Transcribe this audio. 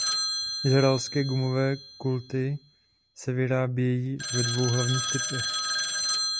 Izraelské gumové kulky se vyrábějí ve dvou hlavních typech.